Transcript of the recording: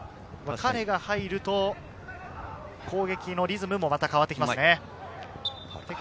彼が入ると攻撃のリズムもまた変わってきます。